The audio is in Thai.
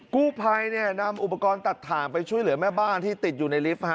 กู้ภัยนำอุปกรณ์ตัดถ่างไปช่วยเหลือแม่บ้านที่ติดอยู่ในลิฟต์